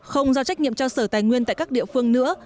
không giao trách nhiệm cho sở tài nguyên tại các địa phương nữa